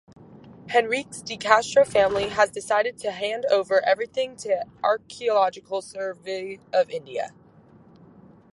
Henriques De Castro family has decided to handover everything to Archaeological Survey of India